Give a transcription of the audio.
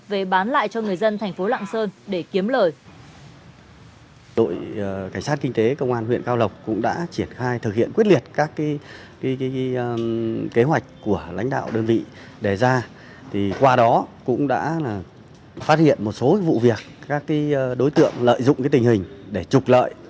về bán lại cho người dân thành phố lạng sơn để kiếm lời